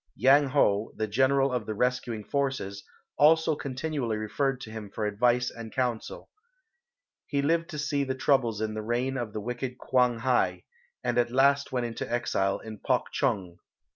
Yang Ho, the general of the rescuing forces, also continually referred to him for advice and counsel. He lived to see the troubles in the reign of the wicked Kwang hai, and at last went into exile to Puk chong.